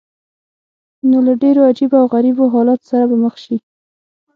نو له ډېرو عجیبه او غریبو حالاتو سره به مخ شې.